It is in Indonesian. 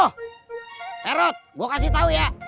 herot gue kasih tau ya